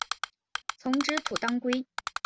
丛枝土当归